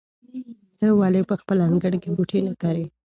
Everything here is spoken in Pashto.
ته ولې په خپل انګړ کې بوټي نه کرې؟